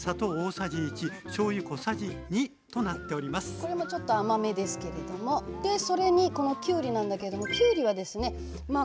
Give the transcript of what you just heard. これもちょっと甘めですけれどもでそれにこのきゅうりなんだけれどもきゅうりはまあ